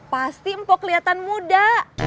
pasti empo kelihatan muda